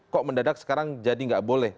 kok mendadak sekarang jadi nggak boleh